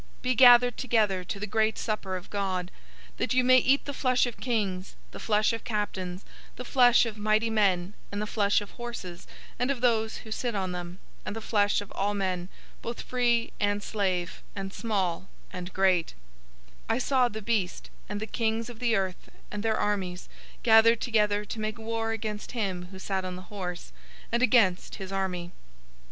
Be gathered together to the great supper of God,{TR reads "supper of the great God" instead of "great supper of God"} 019:018 that you may eat the flesh of kings, the flesh of captains, the flesh of mighty men, and the flesh of horses and of those who sit on them, and the flesh of all men, both free and slave, and small and great." 019:019 I saw the beast, and the kings of the earth, and their armies, gathered together to make war against him who sat on the horse, and against his army.